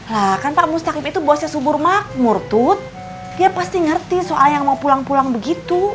lah kan pak mustakib itu bosnya subur mak murtut dia pasti ngerti soal yang mau pulang pulang begitu